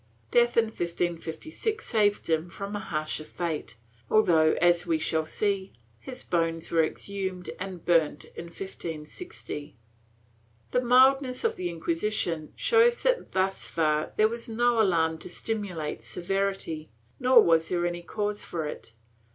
^ Death in 1556 saved him from a harsher fate, although, as we shall see, his bones were exhumed and burnt in 1560. The mildness of the Inquisition shows that thus far there was no alarm to stimulate severity, nor was there any cause for it.